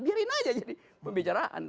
biarin aja jadi pembicaraan